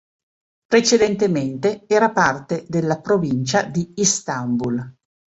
Precedentemente era parte della provincia di Istanbul.